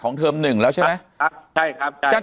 ของเทอมหนึ่งแล้วใช่ไหม